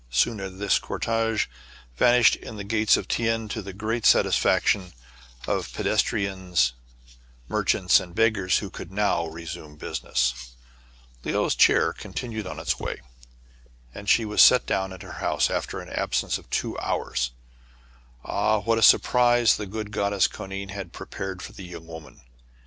Soon this cortege vanished in the Gates of Tien, to the great satisfaction of pedes î62 TRIBULATIONS OF A CHINAMAN. trians, merchants, and beggars, who could now resume business. Le ou*s chair continued on its way, and she was set down at her house after an absence of two hours. Ah ! what a surprise the good Goddess Koanine had prepared for the young woman